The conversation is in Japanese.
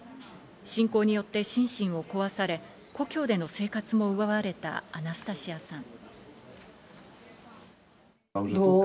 侵攻によって心身を壊され、故郷での生活も奪われたアナスタシアさん。